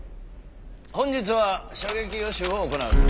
本日は射撃予習を行う。